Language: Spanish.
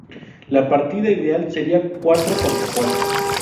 La partida ideal sería cuatro contra cuatro.